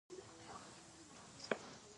د ژویو ډلبندي ټکسانومي بلل کیږي